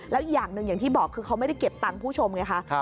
แล้วอีกอย่างหนึ่งอย่างที่บอกคือเขาไม่ได้เก็บตังค์ผู้ชมไงคะ